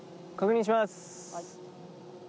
はい。